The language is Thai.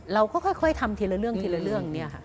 เราก็ค่อยทำทีละเรื่องนี่ค่ะ